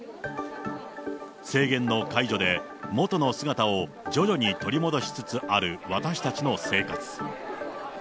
制限の解除で、元の姿を徐々に取り戻しつつある私たちの生活。